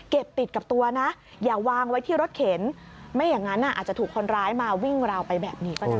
เก็บติดกับตัวนะอย่าวางไว้ที่รถเข็นไม่อย่างงั้นอ่ะอาจจะถูกคนตัวมาวิ่งเราไปต้องกินแบบนี้